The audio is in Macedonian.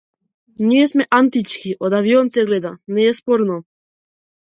Ние сме антички, од авион се гледа, не е спорно.